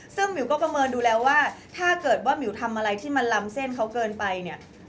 ซึ่งหมิวก็ประเมินดูแลว่าถ้าเกิดว่ามิวทำอะไรที่มันลำเส้นเขาเกินไปเนี่ย